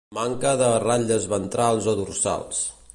Manca de ratlles ventrals o dorsals.